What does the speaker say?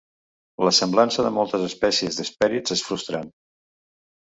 La semblança de moltes espècies d'hespèrids és frustrant.